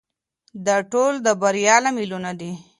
دا ټول د بریا لاملونه دي.